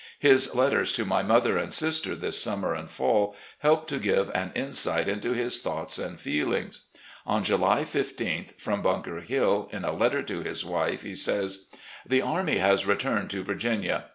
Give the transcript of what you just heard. His letters to io8 RECOLLECTIONS OP GENERAL LEE my mother and sister this summer and fall help to g^ve an insight into his thoughts and feelings. On July isth, from Blinker Hill, in a letter to his wife, he says: .. The army has returned to Virginia.